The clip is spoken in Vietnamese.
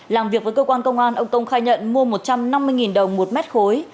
làm việc với cơ quan công an ông tông khai nhận mua một trăm năm mươi đồng một mét khối